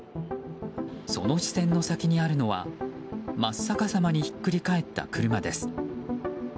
その視線の先にあるのは真っ逆さまにひっくり返った車です。